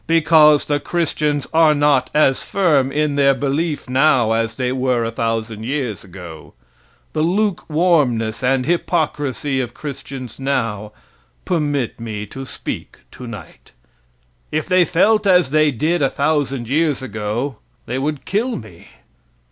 Because the Christians are not as firm in their belief now as they were a thousand years ago. The luke warmness and hypocrisy of Christians now permit me to speak tonight. If they felt as they did a thousand years ago they would kill me.